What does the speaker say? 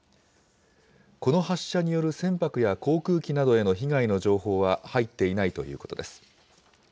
この発射による船舶や航空機などへの被害の情報は入っていないということです。